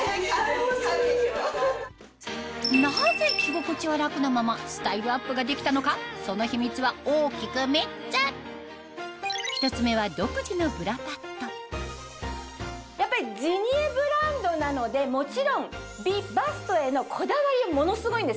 なぜ着心地は楽なままスタイルアップができたのかその秘密は大きく３つ１つ目はジニエブランドなのでもちろん美バストへのこだわりはものすごいんですね。